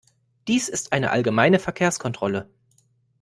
Dies ist eine allgemeine Verkehrskontrolle.